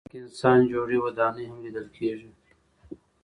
په دې منظره کې انسان جوړې ودانۍ هم لیدل کېږي.